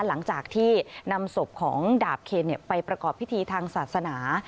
หลังจากที่นำศพของดาบเคนไปประกอบพิธีทางศาสนา